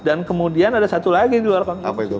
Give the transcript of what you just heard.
dan kemudian ada satu lagi di luar konsumsi